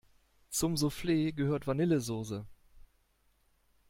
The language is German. Zum Souffle gehört Vanillesoße.